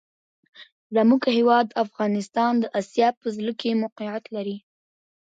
زموږ هېواد افغانستان د آسیا په زړه کي موقیعت لري.